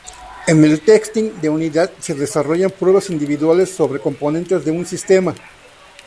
En el testing de unidad se desarrollan pruebas individuales sobre componentes de un sistema.